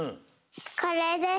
これです。